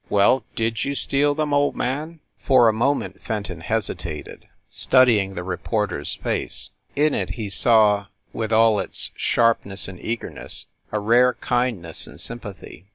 "Well, did you steal them, old man?" For a moment Fenton hesitated, studying the re 3o8 FIND THE WOMAN porter s face. In it he saw, with all its sharpness and eagerness, a rare kindness and sympathy.